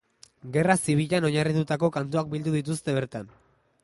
Gerra zibilean oinarritutako kantuak bildu dituzte bertan.